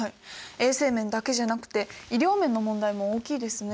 衛生面だけじゃなくて医療面の問題も大きいですね。